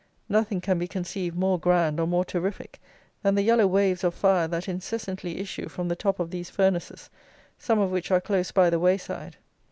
Nothing can be conceived more grand or more terrific than the yellow waves of fire that incessantly issue from the top of these furnaces, some of which are close by the way side.